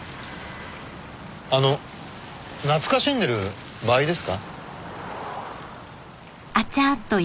あの懐かしんでる場合ですか？